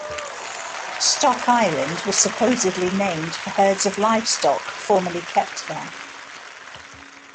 Stock Island was supposedly named for herds of livestock formerly kept there.